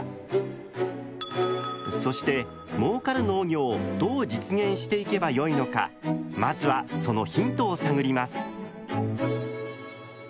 そして「もうかる農業」をどう実現していけばよいのかまずはそのヒントを探ります。